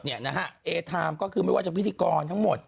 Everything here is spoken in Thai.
เอทามก็คือไม่ว่าจะพิธีกรทั้งหมด